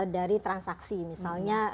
dari transaksi misalnya